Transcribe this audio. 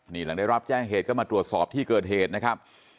นี่หลังได้รับแจ้งเหตุก็มาตรวจสอบที่เกิดเหตุนะครับ